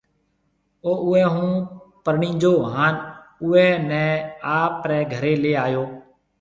او اُوئي هون پرڻيجو ھانَ اُوئي نَي آپرَي گھري لي آيو هيَ۔